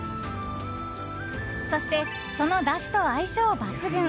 そして、そのだしと相性抜群。